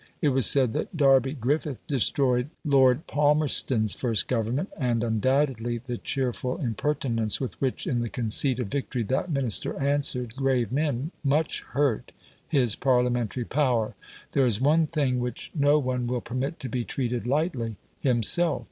It was said that "Darby Griffith destroyed Lord Palmerston's first Government," and undoubtedly the cheerful impertinence with which in the conceit of victory that Minister answered grave men much hurt his Parliamentary power. There is one thing which no one will permit to be treated lightly himself.